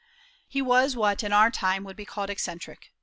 He was what in our time would be called eccentric.